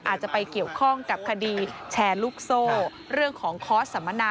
อาจจะไปเกี่ยวข้องกับคดีแชร์ลูกโซ่เรื่องของคอร์สสัมมนา